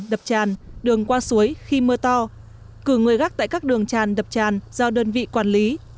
đập tràn đường qua suối khi mưa to cử người gác tại các đường tràn đập tràn do đơn vị quản lý